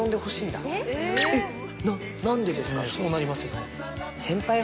そうなりますよね。